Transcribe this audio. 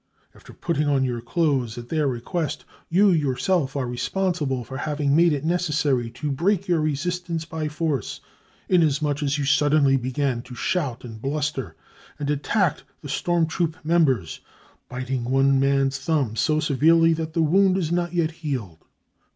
After putting on your clothes at their request, you yourself are responsible for having made it neces sary to break your resistance by force, inasmuch as you suddenly began to shout and bluster, and attached the storm troop members, biting one man's thumb, so severely that the wound is not yet healed.